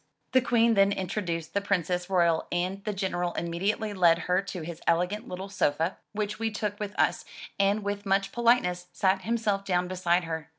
The Queen then introduced the Princess Royal, and the General immediately led her to his elegant little sofa, which we took with us, and with much politeness sat himself down beside her.